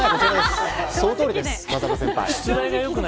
そのとおりです、風間先輩。